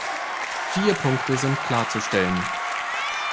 Vier Punkte sind klarzustellen.